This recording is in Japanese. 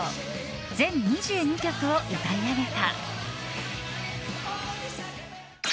全２２曲を歌い上げた。